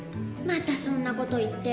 またそんな事言って。